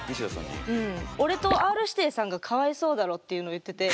俺とＲ−指定さんがかわいそうだろっていうのを言ってて。